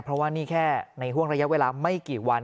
เพราะว่านี่แค่ในห่วงระยะเวลาไม่กี่วัน